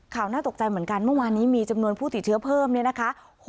น่าตกใจเหมือนกันเมื่อวานนี้มีจำนวนผู้ติดเชื้อเพิ่มเนี่ยนะคะ